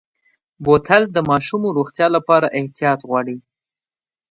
بوتل د ماشومو روغتیا لپاره احتیاط غواړي.